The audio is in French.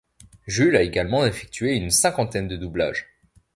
Jules a également effectué une cinquantaine de doublages.